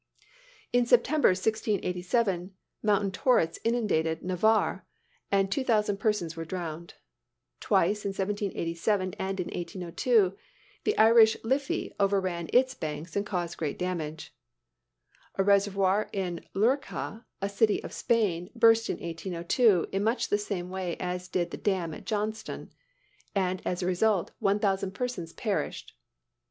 "In September, 1687, mountain torrents inundated Navarre, and two thousand persons were drowned. Twice, in 1787 and in 1802, the Irish Liffey overran its banks and caused great damage. A reservoir in Lurca, a city of Spain, burst in 1802, in much the same way as did the dam at Johnstown, and as a result one thousand persons perished.